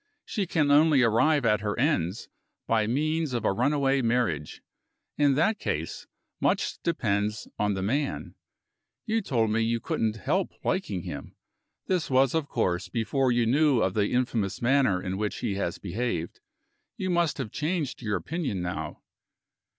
She can only arrive at her ends by means of a runaway marriage. In that case, much depends on the man. You told me you couldn't help liking him. This was, of course, before you knew of the infamous manner in which he has behaved. You must have changed your opinion now."